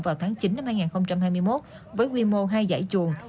vào tháng chín năm hai nghìn hai mươi một với quy mô hai giải chuồng